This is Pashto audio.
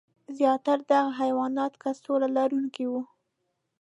زیاتره دغه حیوانات کڅوړه لرونکي وو.